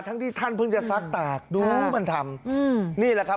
ที่ท่านเพิ่งจะซักตากดูมันทำอืมนี่แหละครับ